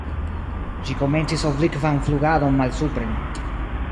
Ĝi komencis oblikvan flugadon malsupren.